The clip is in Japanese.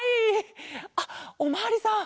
あっおまわりさん。